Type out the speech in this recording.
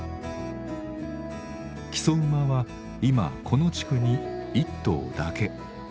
木曽馬は今この地区に１頭だけ。